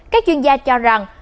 các chuyên gia cho rằng